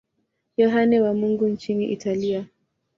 Yohane wa Mungu nchini Italia.